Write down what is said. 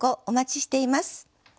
お待ちしています。